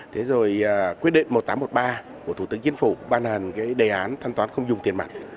thế rồi quyết định một nghìn tám trăm một mươi ba của thủ tướng chính phủ ban hành cái đề án thanh toán không dùng tiền mặt